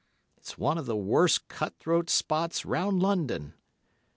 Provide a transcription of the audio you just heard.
It's one of the worst cut throat spots round London.